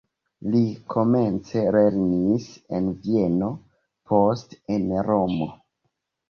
Li komence lernis en Vieno, poste en Romo.